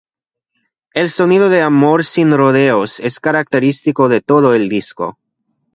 El sonido de "Amor sin rodeos" es característico de todo el disco.